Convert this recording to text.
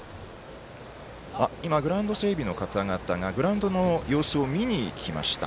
今、グラウンド整備の方々がグラウンドの様子を見に来ました。